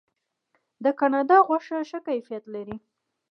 د کاناډا غوښه ښه کیفیت لري.